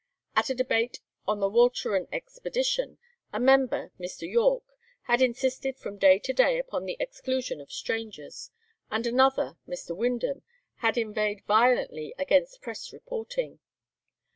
At a debate on the Walcheren expedition, a member, Mr. Yorke, had insisted from day to day upon the exclusion of strangers, and another, Mr. Windham, had inveighed violently against press reporting.